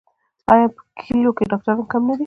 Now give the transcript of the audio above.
آیا په کلیو کې ډاکټران کم نه دي؟